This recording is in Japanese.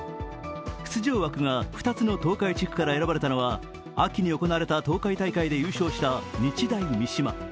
出場枠が２つの東海地区から選ばれたのは、秋に行われた東海大会で優勝した日大三島。